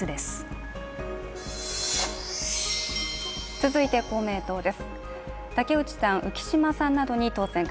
続いて公明党です。